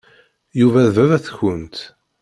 Yuba d baba-tkent.